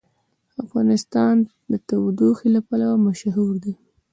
افغانستان د تودوخه لپاره مشهور دی.